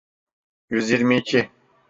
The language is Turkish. Yüz yirmi iki.